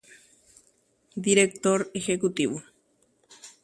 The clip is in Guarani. Motenondehára Guasu